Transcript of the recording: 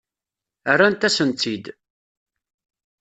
Rrant-asen-tt-id.